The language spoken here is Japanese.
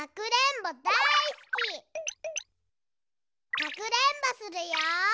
かくれんぼするよ。